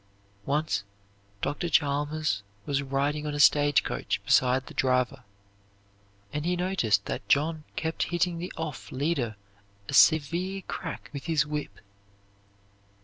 Once Dr. Chalmers was riding on a stage coach beside the driver, and he noticed that John kept hitting the off leader a severe crack with his whip.